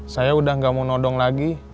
saya udah gak mau nodong lagi